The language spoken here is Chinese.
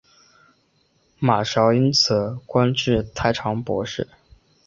马韶因此官至太常博士。